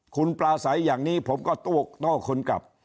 คุณปลาใสอย่างนี้ผมก็โต้คนกลับ